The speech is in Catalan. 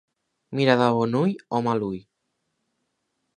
Mira de bon o mal ull.